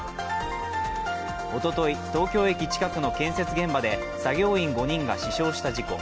おととい、東京駅近くの建設現場で作業員５人が死傷した事故。